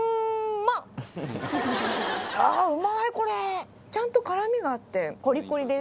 あうまいこれ！ちゃんと辛みがあってコリコリです。